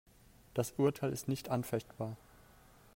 Das Urteil ist nicht anfechtbar.